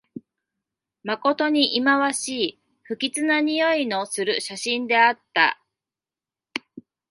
まことにいまわしい、不吉なにおいのする写真であった